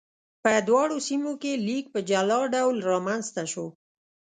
په دواړو سیمو کې لیک په جلا ډول رامنځته شو.